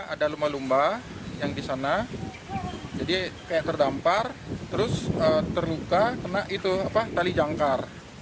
ada lumba lumba yang di sana jadi kayak terdampar terus terluka kena itu apa tali jangkar